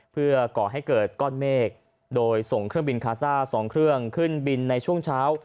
เพื่อก่อให้เกิดก้อนเมฆโดยส่งเครื่องบินคาซ่า๒เครื่องขึ้นบินในช่วงเช้า